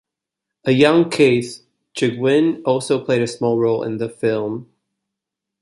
A young Keith Chegwin also played a small role in the film.